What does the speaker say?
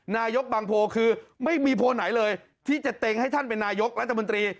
นายกบางโพคือไม่มีโพลไหนเลยที่จะเต็งให้ท่านเป็นนายกรัฐมนตรี